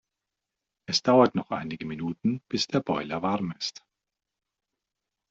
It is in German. Es dauert noch einige Minuten bis der Boiler warm ist.